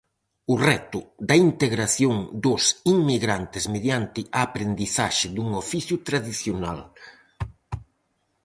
O reto da integración dos inmigrantes mediante a aprendizaxe dun oficio tradicional.